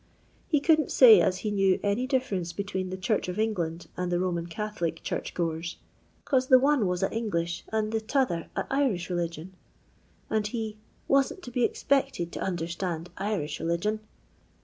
He couldn't say as he knew any difference between the Chnrch of England and the Roman Catholic church goers, "cause the one was a English and the t* other a Irish religion," and he " wasn't to be expected to understand Irish religion."